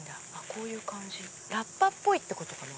こういう感じラッパっぽいってことかな。